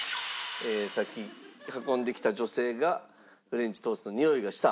さっき運んできた女性がフレンチトーストのにおいがした？